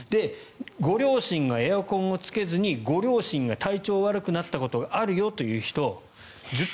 ご両親がエアコンをつけずにご両親が体調悪くなったことがあるよという人１０．８％。